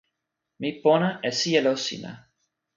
mi pona e sijelo sina.